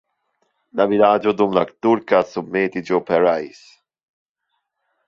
La vilaĝo dum la turka submetiĝo pereis.